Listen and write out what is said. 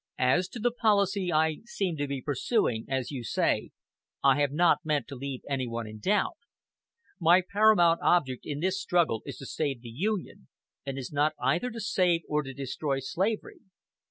"As to the policy I 'seem to be pursuing,' as you say, I have not meant to leave anyone in doubt.... My paramount object in this struggle is to save the Union, and is not either to save or to destroy slavery.